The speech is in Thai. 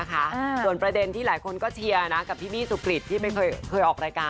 ใครที่สะดวกที่จะดูแบบนั้นก็เป็นสิทธิ์ของเขา